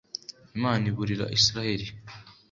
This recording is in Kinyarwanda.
Imana iburira Israheli